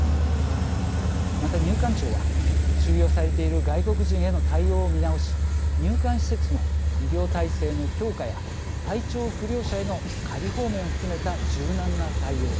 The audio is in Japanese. また、入管庁は収容されている外国人への対応を見直し入管施設の医療体制の強化や体調不良者への仮放免を含めた柔軟な対応